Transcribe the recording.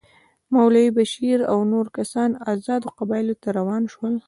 مولوي بشیر او نور کسان آزادو قبایلو ته روان شول.